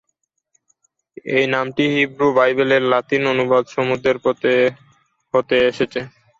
এই নামটি হিব্রু বাইবেলের লাতিন অনুবাদ "সমুদ্রের পথে" হতে এসেছে।